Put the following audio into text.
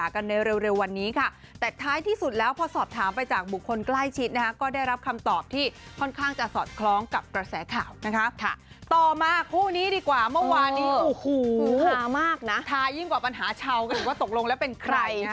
คู่นี้ดีกว่าเมื่อวานที่ถามากนะถายิ่งกว่าปัญหาเช่ากันก็ตกลงแล้วเป็นใคร